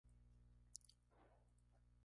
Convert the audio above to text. Cámara Oficial de Comercio e Industria de Zamora